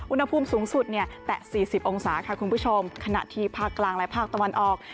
อุณหภูมิสูงสุดเนี่ยแต่๔๐องศาค่ะคุณผู้ชมขณะที่ภาคกลางและภาคตะวันออก